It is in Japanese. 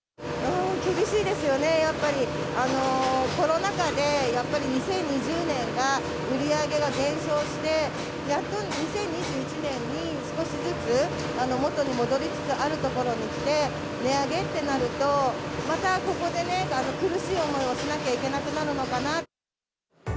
厳しいですよね、やっぱり、コロナ禍で、やっぱり２０２０年が、売り上げが減少して、やっと２０２１年に、少しずつ元に戻りつつあるところにきて、値上げってなると、またここでね、苦しい思いをしなきゃいけなくなるのかな。